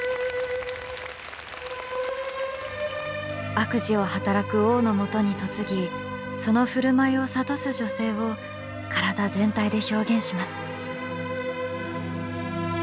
悪事をはたらく王のもとに嫁ぎそのふるまいを諭す女性を体全体で表現します。